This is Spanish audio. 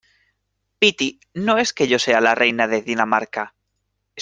piti, no es que yo sea la reina de Dinamarca